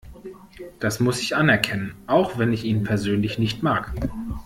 Das muss ich anerkennen, auch wenn ich ihn persönlich nicht mag.